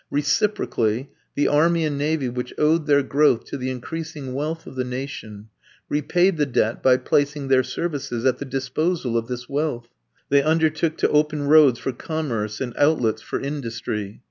Reciprocally, the army and navy which owed their growth to the increasing wealth of the nation, repaid the debt by placing their services at the disposal of this wealth: they undertook to open roads for commerce and outlets for industry.